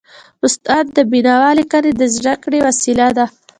استاد د بينوا ليکني د زده کړي وسیله ده.